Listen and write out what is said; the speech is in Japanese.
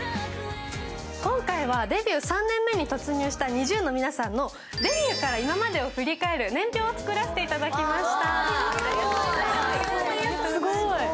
今回はデビュー３年目に突入したＮｉｚｉＵの皆さんのデビューから今までを振り返る年表を作らせていただきました。